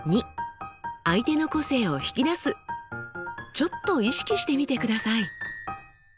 ちょっと意識してみてください！